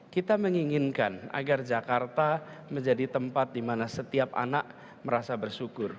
kita menginginkan agar jakarta menjadi tempat di mana setiap anak merasa bersyukur